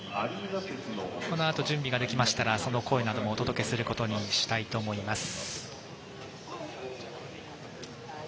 このあと準備ができましたらその声をお届けしたいと思います。